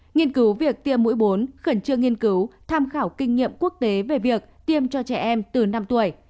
nghiên cứu việc tiêm mũi bốn khẩn trương nghiên cứu tham khảo kinh nghiệm quốc tế về việc tiêm cho trẻ em từ năm tuổi